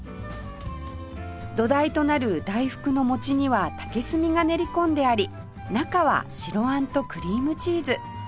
土台となる大福の餅には竹炭が練り込んであり中は白あんとクリームチーズ